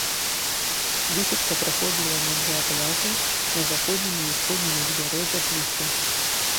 Высадка праходзіла на два пляжу на заходнім і ўсходнім узбярэжжах выспы.